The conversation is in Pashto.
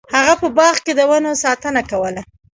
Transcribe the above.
هغه په باغ کې د ونو ساتنه کوله.